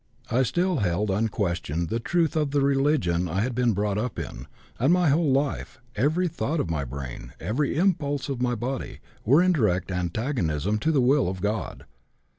I still held unquestioned the truth of the religion I had been brought up in, and my whole life, every thought of my brain, every impulse of my body, were in direct antagonism to the will of God.